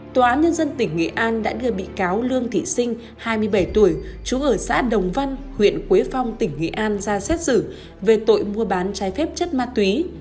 tòa án nhân dân tỉnh nghệ an đã đưa bị cáo lương thị sinh hai mươi bảy tuổi chú ở xã đồng văn huyện quế phong tỉnh nghệ an ra xét xử về tội mua bán trái phép chất ma túy